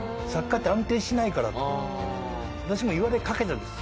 私も言われかけたんです。